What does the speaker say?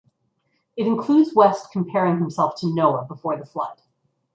It includes West comparing himself to Noah before the flood.